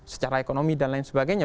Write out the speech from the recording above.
secara ekonomi dan lain sebagainya